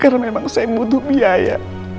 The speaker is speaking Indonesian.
karena memang saya butuh biaya